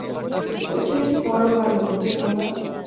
ঐ ছেলেটি বড়ো ভালো– নির্মলা।